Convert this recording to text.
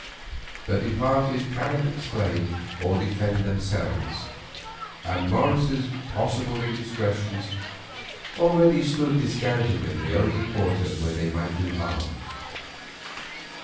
The departed cannot explain or defend themselves, and Morris's possible indiscretions already stood discounted in the only quarter where they might do harm.